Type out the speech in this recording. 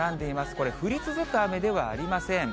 これ、降り続く雨ではありません。